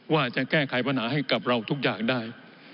ว่าจะแก้ไขปัญหาให้กับเราทุกอย่างได้